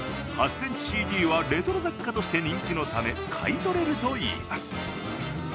ｃｍＣＤはレトロ雑貨として人気のため買い取れるといいます。